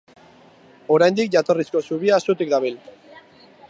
Oraindik jatorrizko zubia zutik dabil.